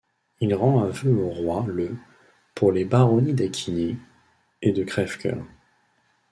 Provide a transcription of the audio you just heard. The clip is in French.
Il rend aveu au roi le pour les baronnies d'Acquigny et de Crèvecœur.